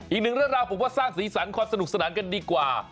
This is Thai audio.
อีกหนึ่งเรื่องราวผมว่าสร้างสีสันความสนุกสนานกันดีกว่า